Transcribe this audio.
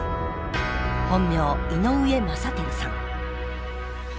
本名井上雅央さん。